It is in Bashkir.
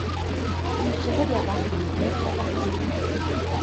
Һин шиғыр яҙаһыңмы, йыр яҙаһыңмы?